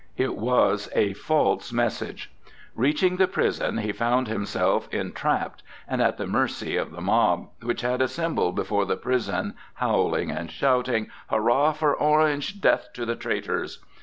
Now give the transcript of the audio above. It was a false message. Reaching the prison, he found himself entrapped and at the mercy of the mob, which had assembled before the prison howling and shouting, "Hurrah for Orange! Death to the traitors!"